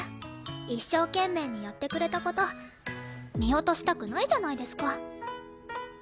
一生懸命にやってくれた事見落としたくないじゃないですか。